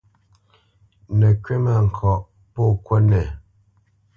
Nə̌ kywítmâŋkɔʼ pô kúnɛ.